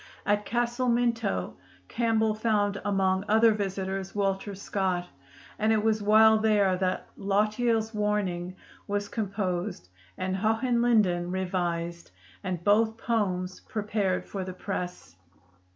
At Castle Minto, Campbell found among other visitors Walter Scott, and it was while there that 'Lochiel's Warning' was composed and 'Hohenlinden' revised, and both poems prepared for the press.